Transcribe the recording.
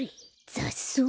ざっそう？